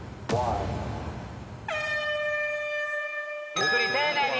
ゆっくり丁寧に。